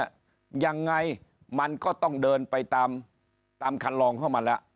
ยังไงมันก็ต้องเดินไปตามคันลองเข้ามาแล้ว